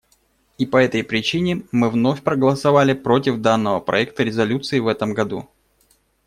И по этой причине мы вновь проголосовали против данного проекта резолюции в этом году.